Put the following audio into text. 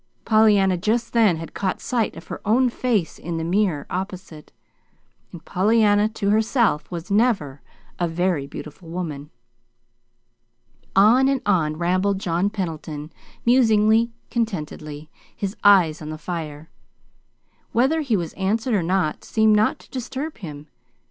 Pollyanna, just then, had caught sight of her own face in the mirror opposite and Pollyanna to herself was never "a very beautiful woman." On and on rambled John Pendleton, musingly, contentedly, his eyes on the fire. Whether he was answered or not seemed not to disturb him.